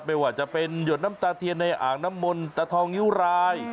ไม่ว่าจะเป็นหยดน้ำตาเทียนในอ่างน้ำมนตาทองนิ้วราย